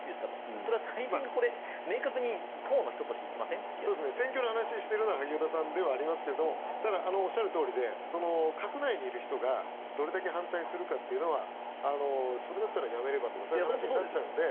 それはタイミング明確に党の人として選挙の話をしているのは萩生田さんですけどただ、おっしゃるとおりで閣内にいる人がどれだけ反対するかはそれだったら、やめればという話になっちゃうので。